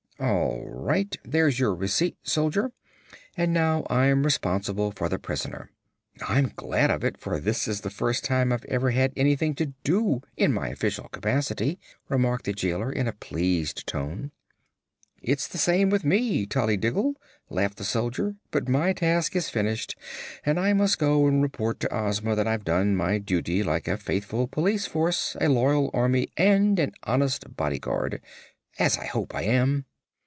"All right. There's your receipt, Soldier; and now I'm responsible for the prisoner. I'm glad of it, for this is the first time I've ever had anything to do, in my official capacity," remarked the jailer, in a pleased tone. "It's the same with me, Tollydiggle," laughed the soldier. "But my task is finished and I must go and report to Ozma that I've done my duty like a faithful Police Force, a loyal Army and an honest Body Guard as I hope I am."